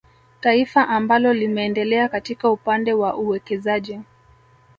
Taifa amabalo limeendelea katika upande wa uwekezaji